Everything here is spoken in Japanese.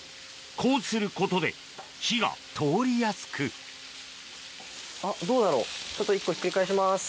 こうすることで火が通りやすくあっどうだろうちょっと１個ひっくり返します。